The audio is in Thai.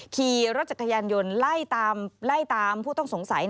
ขี่รถจักรยานยนต์ไล่ตามผู้ต้องสงสัย